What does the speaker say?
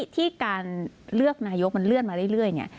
ที่การเลือกนายกมันเลื่อนมาเรื่อยเนี่ย